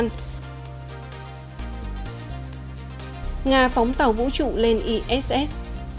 nga phóng tàu vũ trụ lên iss